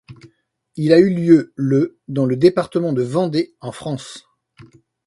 Il a eu lieu le dans le département de Vendée, en France.